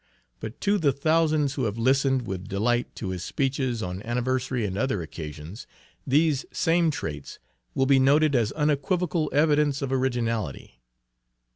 But to the thousands who have listened with delight to his speeches on anniversary and other occasions, these same traits will be noted as unequivocal evidence of originality.